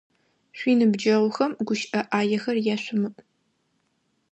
Шъуиныбджэгъухэм гущыӏэ ӏаехэр яшъумыӏу!